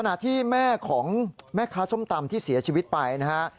ที่แม่ของแม่ค้าส้มตำที่เสียชีวิตไปนะฮะ